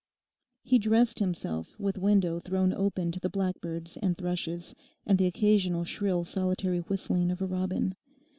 He dressed himself with window thrown open to the blackbirds and thrushes, and the occasional shrill solitary whistling of a robin.